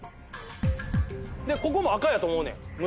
ここも赤やと思うねん胸